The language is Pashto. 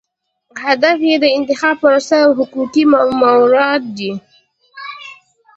اهداف یې د انتخاب پروسه او حقوقي موارد دي.